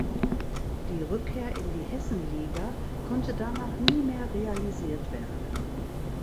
Die Rückkehr in die Hessenliga konnte danach nie mehr realisiert werden.